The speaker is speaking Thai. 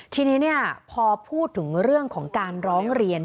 ทีนี้พอพูดถึงเรื่องของการร้องเรียน